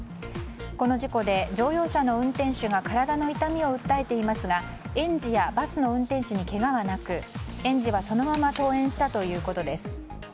この事故で乗用車の運転手が体の痛みを訴えていますが園児やバスの運転手にけがはなく園児は、そのまま登園したということです。